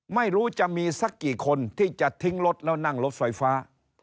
ไม่รู้จะมีสักกี่คนที่จะทิ้งรถแล้วนั่งรถไฟฟ้า